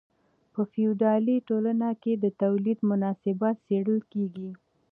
په فیوډالي ټولنه کې د تولید مناسبات څیړل کیږي.